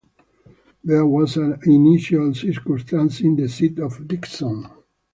There was an unusual circumstance in the seat of Dickson.